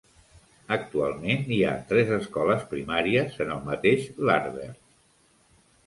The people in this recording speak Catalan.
Actualment hi ha tres escoles primàries en el mateix Larbert.